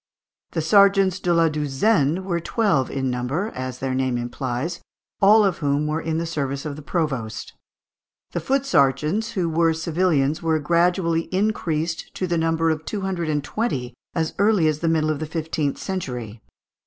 The sergeants de la douzaine were twelve in number, as their name implies, all of whom were in the service of the provost; the foot sergeants, who were civilians, were gradually increased to the number of two hundred and twenty as early as the middle of the fifteenth century.